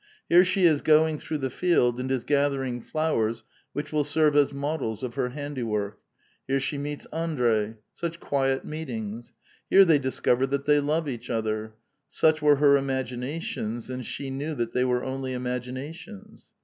Here she is going through the field and is gathering flowers which will serve as models of her handiwork ; here she meets Andr^ — such quiet meet ings ! Here they discover that they love each other ; such were her imaginations, and she knew that they were only im aginations.